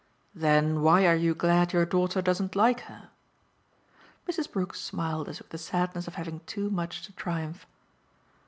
"Then why are you glad your daughter doesn't like her?" Mrs. Brook smiled as with the sadness of having too much to triumph.